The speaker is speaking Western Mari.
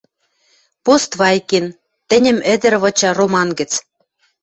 Поствайкин, «Тӹньӹм ӹдӹр выча» роман гӹц.